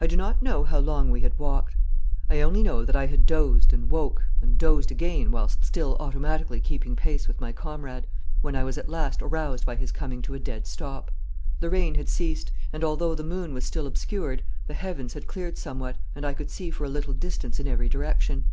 I do not know how long we had walked; I only know that I had dozed and woke and dozed again whilst still automatically keeping pace with my comrade, when I was at last aroused by his coming to a dead stop. The rain had ceased, and although the moon was still obscured, the heavens had cleared somewhat, and I could see for a little distance in every direction.